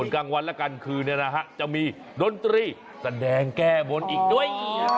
กลางวันและกลางคืนเนี่ยนะฮะจะมีดนตรีแสดงแก้บนอีกด้วย